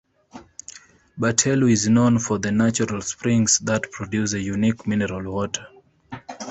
Betelu is known for the natural springs that produce a unique mineral water.